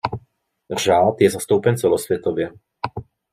Řád je zastoupen celosvětově.